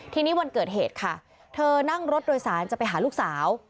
ทีนี้วันเกิดเหตุค่ะเธอนั่งรถโดยสารจะไปหาลูกสาว